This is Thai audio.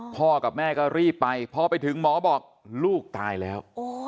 พ่อกับแม่ก็รีบไปพอไปถึงหมอบอกลูกตายแล้ว